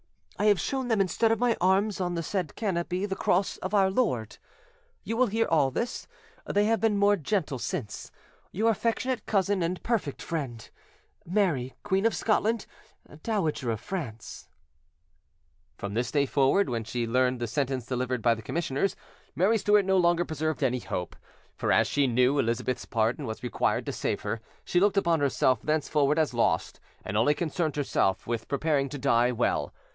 I have shown them instead of my arms on the said canopy the cross of Our Lord. You will hear all this; they have been more gentle since.—Your affectionate cousin and perfect friend, "MARY, Queen of Scotland, Dowager of France" From this day forward, when she learned the sentence delivered by the commissioners, Mary Stuart no longer preserved any hope; for as she knew Elizabeth's pardon was required to save her, she looked upon herself thenceforward as lost, and only concerned herself with preparing to die well.